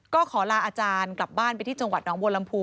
ก็ขอลาอาจารย์กลับบ้านไปที่จังหวัดน้องบัวลำพู